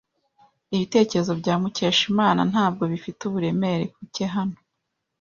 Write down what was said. Ibitekerezo bya Mukeshimana ntabwo bifite uburemere buke hano.